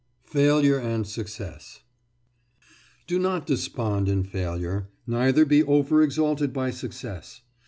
FAILURE AND SUCCESS Do not despond in failure, neither be over exalted by success.